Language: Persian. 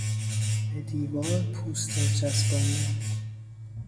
به دیوار پوستر چسباندن